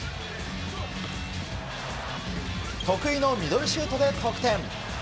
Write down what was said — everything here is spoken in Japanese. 得意のミドルシュートで得点。